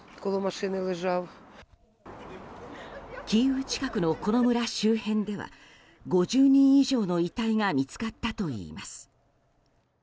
キーウ近くのこの村周辺では５０人以上の遺体が見つかったといいます。